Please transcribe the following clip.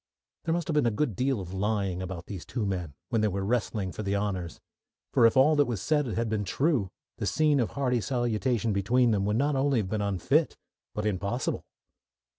There must have been a good deal of lying about these two men when they were wrestling for the honours, for if all that was said had been true the scene of hearty salutation between them would not only have been unfit, but impossible.